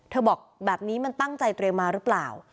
บอกแบบนี้มันตั้งใจเตรียมมาหรือเปล่า